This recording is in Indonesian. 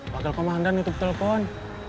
wakil komandan itu telpon